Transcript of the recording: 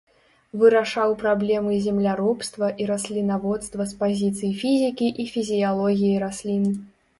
Вырашаў праблемы земляробства і раслінаводства з пазіцый фізікі і фізіялогіі раслін.